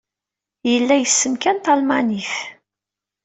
Yella yessen kan talmanit.